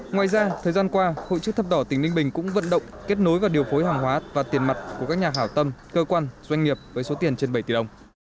ngoài ra thời gian qua hội chức thập đỏ tỉnh ninh bình cũng vận động kết nối và điều phối hàng hóa và tiền mặt của các nhà hảo tâm cơ quan doanh nghiệp với số tiền trên bảy tỷ đồng